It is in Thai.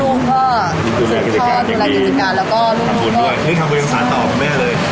ลูกเพราะเพ่อะอย่างกิจการตัวคำสาธารกับแม่เลย